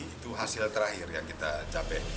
itu hasil terakhir yang kita capai